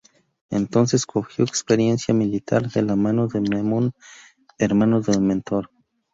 Entonces cogió experiencia militar de la mano de Memnón, hermano de Mentor.